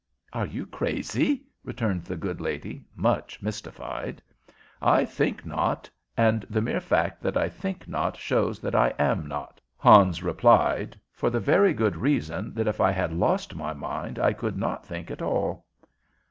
"Are you crazy?" returned the good lady, much mystified. "I think not; and the mere fact that I think not shows that I am not," Hans replied, "for the very good reason that if I had lost my mind I could not think at all."